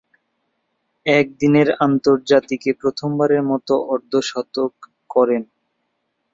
একদিনের আন্তর্জাতিকে প্রথমবারের মতো অর্ধ-শতক করেন।